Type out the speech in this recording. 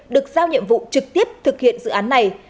được giao nhiệm vụ trực tiếp thực hiện dự án này